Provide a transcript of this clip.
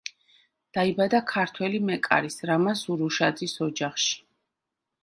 დაიბადა ქართველი მეკარის, რამაზ ურუშაძის ოჯახში.